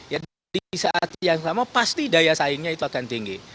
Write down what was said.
jadi di saat yang sama pasti daya saingnya itu akan tinggi